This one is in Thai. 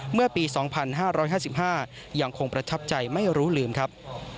เมื่อปี๒๕๕๕ยังคงประทับใจไม่รู้ลืมครับ